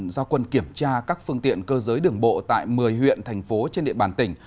gia quân kiểm tra các phương tiện cơ giới đường bộ tại một mươi huyện thành phố trên địa bàn tỉnh